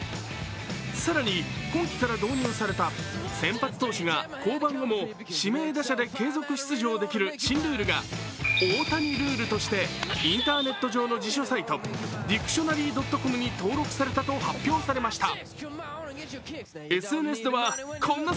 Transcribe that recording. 更に、今季から導入された先発投手が降板後も指名打者で継続出場できる新ルールが大谷ルールとしてインターネット上の辞書サイト、Ｄｉｃｔｉｏｎａｒｙ．ｃｏｍに登録されたと発表されました。